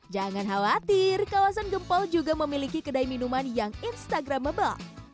jangan khawatir kawasan gempol juga memiliki kedai minuman yang instagramable